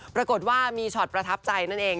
ปรากฏว่ามีช็อตประทับใจนั่นเอง